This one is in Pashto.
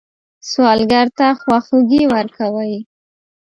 سوالګر ته خواخوږي ورکوئ